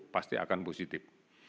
pasti akan positif